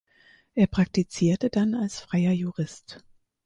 Er praktizierte dann als freier Jurist.